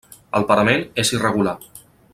El parament és irregular.